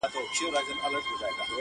د پاچا لور وم پر طالب مینه سومه.!